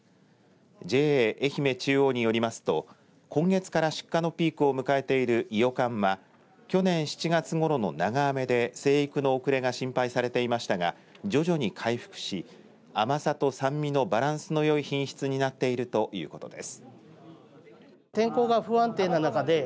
ＪＡえひめ中央によりますと今月から出荷のピークを迎えているいよかんは去年７月ごろの長雨で生育の遅れが心配されていましたが徐々に回復し甘さと酸味のバランスのよい品質になっているということです。